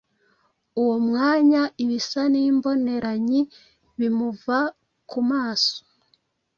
Uwo mwanya ibisa n’imboneranyi bimuva ku maso,